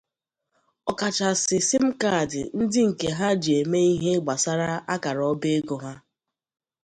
ọkachasị sim kaadị ndị nke ha ji eme ihe gbasaara akara ọba ego ha